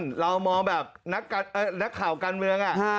เรามองแบบนักข่าวการเมือง